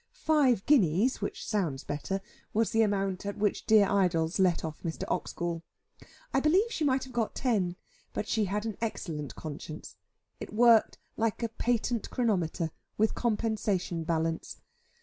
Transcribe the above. Five guineas (which sounds better) was the amount at which dear Idols let off Mr. Oxgall. I believe she might have got ten, but she had an excellent conscience. It worked like a patent chronometer, with compensation balance.